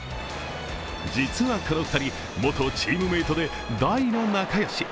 実はこの２人、元チームメートで大の仲良し。